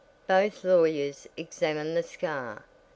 Both lawyers examined the scar.